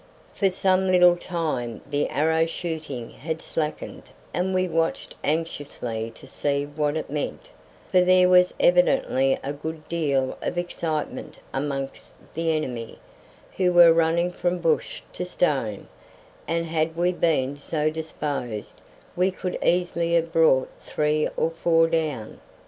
For some little time the arrow shooting had slackened and we watched anxiously to see what it meant, for there was evidently a good deal of excitement amongst the enemy, who were running from bush to stone, and had we been so disposed we could easily have brought three or four down.